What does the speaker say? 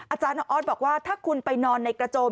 อาจารย์ออสบอกว่าถ้าคุณไปนอนในกระโจม